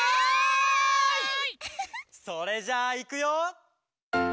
「それじゃあいくよ」